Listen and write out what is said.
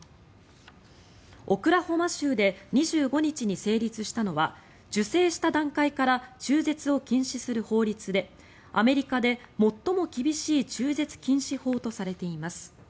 オクラホマ州で２５日に成立したのは受精した段階から中絶を禁止する法律でアメリカで最も厳しい中絶禁止法とされています。